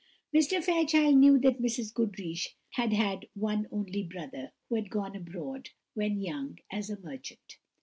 Mr. Fairchild knew that Mrs. Goodriche had had one only brother, who had gone abroad, when young, as a merchant.